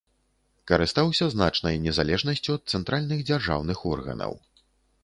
Карыстаўся значнай незалежнасцю ад цэнтральных дзяржаўных органаў.